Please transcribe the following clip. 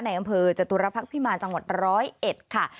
ในอำเภอจตุรพักษ์พิมานจังหวัดร้อยเอ็ดค่ะ